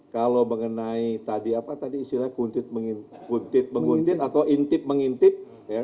kalau mengenai tadi apa tadi istilahnya kuntit menguntit atau intip mengintip